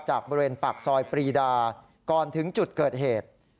บริเวณปากซอยปรีดาก่อนถึงจุดเกิดเหตุ